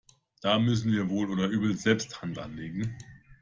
Da müssen wir wohl oder übel selbst Hand anlegen.